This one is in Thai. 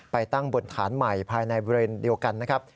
ไปตั้งบนฐานใหม่ภายในบริเวณเดียวกันนะครับ